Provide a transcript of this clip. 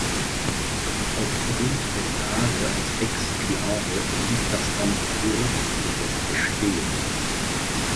Aufgrund der Lage als Exklave blieb das Amt Burgk jedoch bestehen.